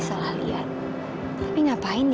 salah liat tapi ngapain